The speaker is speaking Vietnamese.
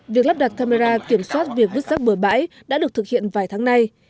việc lắp đặt camera kiểm soát việc vứt rác bừa bãi đã được thực hiện vài tháng nay